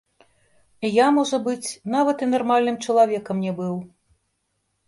Я можа быць, нават і нармальным чалавекам не быў.